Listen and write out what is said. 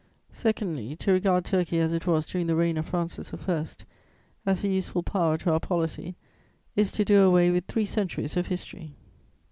Secondly, to regard Turkey, as it was during the reign of Francis I., as a useful power to our policy, is to do away with three centuries of history.